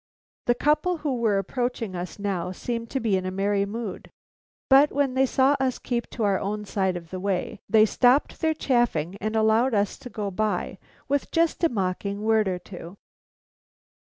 The couple who were approaching us now seemed to be in a merry mood. But when they saw us keep to our own side of the way, they stopped their chaffing and allowed us to go by, with just a mocking word or two.